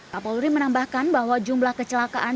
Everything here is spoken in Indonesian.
pak paul ri menambahkan bahwa jumlah kecelakaan